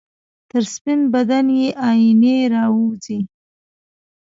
تر سپین بدن یې آئینې راوځي